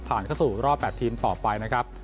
เข้าสู่รอบ๘ทีมต่อไปนะครับ